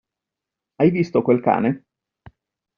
Hai visto quel cane?